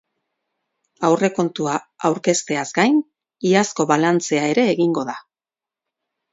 Aurrekontua aurkezteaz gain, iazko balantzea ere egingo da.